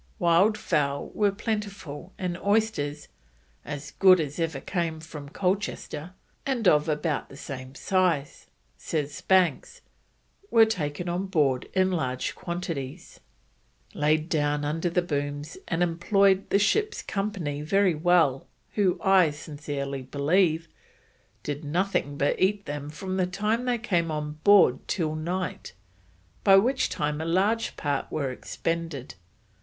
Wild fowl were plentiful, and oysters, "as good as ever came from Colchester," and of about the same size, says Banks, were taken on board in large quantities: "laid down under the booms, and employed the ship's company very well, who, I sincerely believe, did nothing but eat them from the time they came on board till night, by which time a large part were expended.